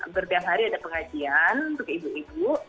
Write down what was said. setiap hari ada pengajian untuk ibu ibu